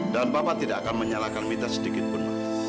dan papa tidak akan menyalahkan mita sedikitpun